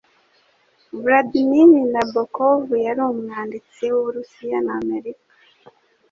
Vladimir Nabokov yari umwanditsi w’Uburusiya n’Amerika.